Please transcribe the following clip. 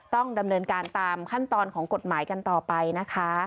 ต้องดำเนินการตามขั้นตอนของกฎหมายกันต่อไปนะคะ